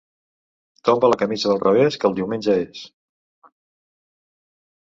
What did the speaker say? Tomba la camisa del revés, que el diumenge és.